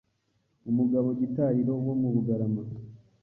Umugabo Gitariro wo mu Bugarama